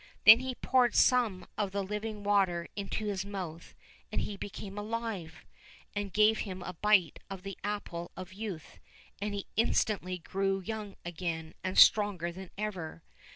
Then he poured some of the living water into his mouth and he became alive, and gave him a bite of the apple of youth, and he instantly grew young again and stronger than ever.